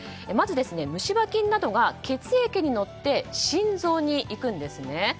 まず虫歯菌などが血液に乗って心臓にいくんですね。